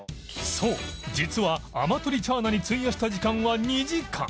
そう実はアマトリチャーナに費やした時間は２時間